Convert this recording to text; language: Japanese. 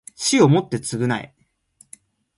死をもって償え